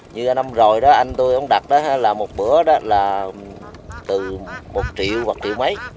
như năm rồi đó anh tôi ông đặt đó là một bữa đó là từ một triệu hoặc triệu mấy